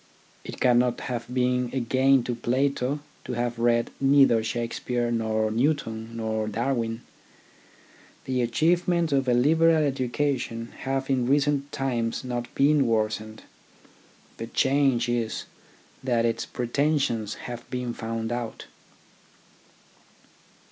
It cannot have been a gain to Plato to have read neither Shakespeare, nor Newton, nor Darwin. The TECHNICAL EDUCATION 37 achievements of a liberal education have in recent times not been worsened. The change is that its pretensions have been found out.